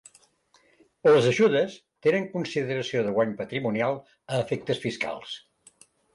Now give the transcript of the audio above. Les ajudes tenen consideració de guany patrimonial a efectes fiscals.